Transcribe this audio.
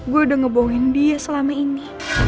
gue udah ngebohin dia selama ini